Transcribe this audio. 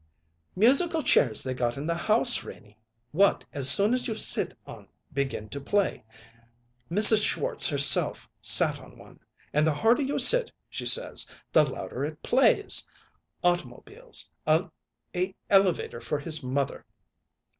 "Musical chairs they got in the house, Renie, what, as soon as you sit on, begin to play. Mrs. Schwartz herself sat on one; and the harder you sit, she says, the louder it plays. Automobiles; a elevator for his mother!